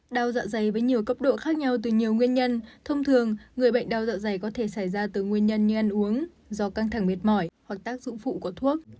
đau dạ dày với nhiều cấp độ khác nhau từ nhiều nguyên nhân thông thường người bệnh đau dạ dày có thể xảy ra từ nguyên nhân như ăn uống do căng thẳng mệt mỏi hoặc tác dụng phụ của thuốc